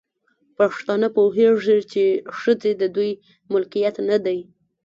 پښتانه پوهيږي، چې ښځې د دوی ملکيت نه دی